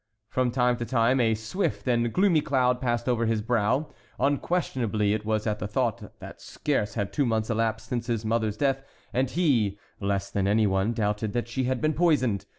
From time to time a swift and gloomy cloud passed over his brow; unquestionably it was at the thought that scarce had two months elapsed since his mother's death, and he, less than any one, doubted that she had been poisoned.